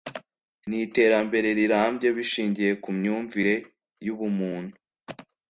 n’iterambere rirambye bishingiye ku myumvire y’ubumuntu